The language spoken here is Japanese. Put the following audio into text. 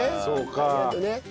そうか。